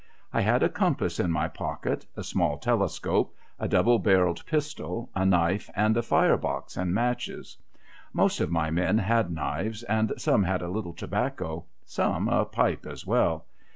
I had a compass in my pocket, a small telescope, a double barrelled pistol, a knife, and a fire box and matches. Most of my men had knives, and some had a little tobacco : some, a pipe as well.